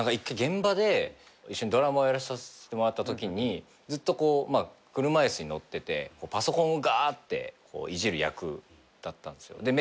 １回現場で一緒にドラマをやらさせてもらったときにずっと車椅子に乗っててパソコンをがっていじる役だったんすよ。